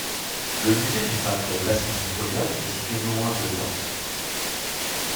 Le musée du peintre Vassili Polenov est situé non loin de Taroussa.